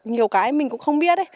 nhiều cái mình cũng không biết